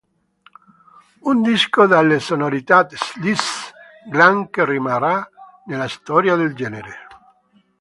Un disco dalle sonorità Sleaze glam che rimarrà nella storia del genere.